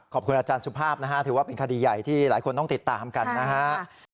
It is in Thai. ขอบคุณอาจารย์สุภาพนะฮะถือว่าเป็นคดีใหญ่ที่หลายคนต้องติดตามกันนะครับ